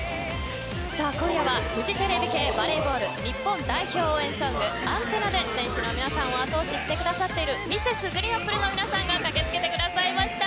今夜はフジテレビ系バレーボール日本代表応援ソングＡＮＴＥＮＮＡで選手の皆さんを後押ししてくださっているＭｒｓ．ＧＲＥＥＮＡＰＰＬＥの皆さんが駆けつけてくださいました。